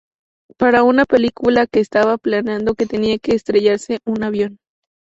Para una película que estaba planeado que tenía que estrellarse un avión.